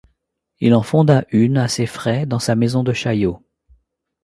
Il en fonda une, à ses frais, dans sa maison de Chaillot.